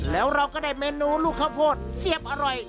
แล้วเราก็ได้เมนูลูกข้าวโพดเสียบอร่อย